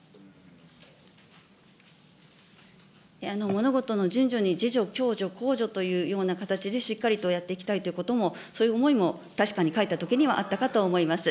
物事の順序に、自助、共助、公助という形でしっかりとやっていきたいということも、そういう思いも確かに書いたときにはあったかと思います。